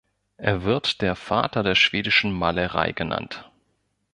Er wird der „Vater der schwedischen Malerei“ genannt.